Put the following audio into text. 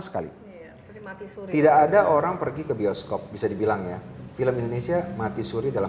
sekali mati suri tidak ada orang pergi ke bioskop bisa dibilang ya film indonesia mati suri dalam